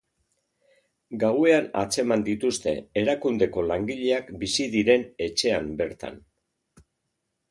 Gauean atzeman dituzte, erakundeko langileak bizi diren etxean bertan.